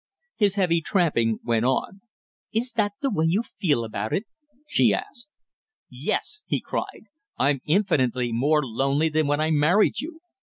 His heavy tramping went on. "Is that the way you feel about it?" she asked. "Yes!" he cried. "I'm infinitely more lonely than when I married you!